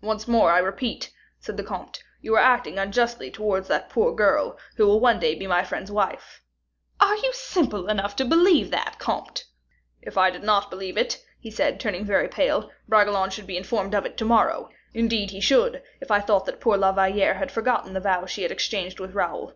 "Once more, I repeat," said the comte, "you are acting unjustly towards that poor girl, who will one day be my friend's wife." "Are you simple enough to believe that, comte?" "If I did not believe it," he said, turning very pale, "Bragelonne should be informed of it to morrow; indeed he should, if I thought that poor La Valliere had forgotten the vows she had exchanged with Raoul.